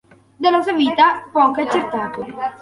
Della sua vita poco è accertato.